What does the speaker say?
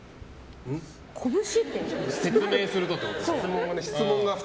うん？説明するとってこと？